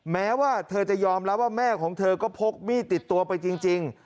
แม้ว่าเธอจะยอมรับว่าแม่ของเธอก็พกมีดติดตัวไปจริง